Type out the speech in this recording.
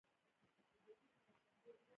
یو سل او اته څلویښتمه پوښتنه د مجلس په اړه ده.